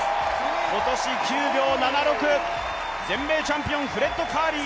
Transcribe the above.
今年９秒７６、全米チャンピオンフレッド・カーリー。